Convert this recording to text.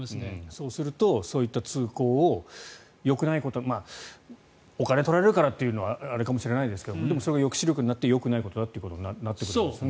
そうするとそういった通行をよくないことお金を取られるからというのもあれかもしれませんがでもそれが抑止力になってよくないことだとなってくるわけですよね。